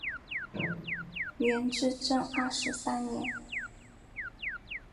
元至正二十三年。